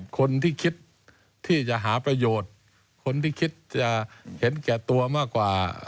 คนที่คิดที่จะหาประโยชน์คนที่คิดจะเห็นแก่ตัวมากกว่า